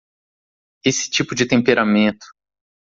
Esse tipo de temperamento